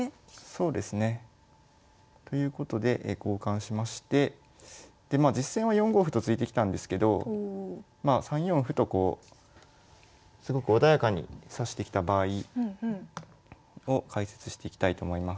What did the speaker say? そうですね。ということで交換しましてでまあ実戦は４五歩と突いてきたんですけど３四歩とこうすごく穏やかに指してきた場合を解説していきたいと思います。